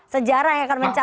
sejarah yang akan mencatat